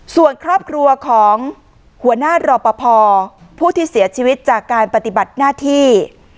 ส่วนครอบครัวของหัวหน้ารอปภผู้ที่เสียชีวิตจากการปฏิบัติหน้าที่